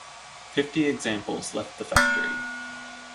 Fifty examples left the factory.